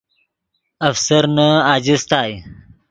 افسرنے اجستائے